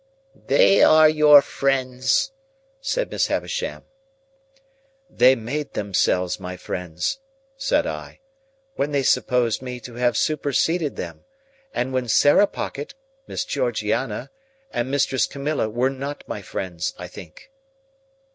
"They are your friends," said Miss Havisham. "They made themselves my friends," said I, "when they supposed me to have superseded them; and when Sarah Pocket, Miss Georgiana, and Mistress Camilla were not my friends, I think."